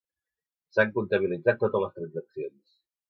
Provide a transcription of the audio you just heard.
S'han comptabilitzat totes les transaccions.